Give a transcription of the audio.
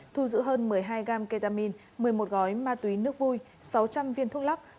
thu giữ hơn một mươi hai gam ketamine một mươi một gói ma túy nước vui sáu trăm linh viên thuốc lắc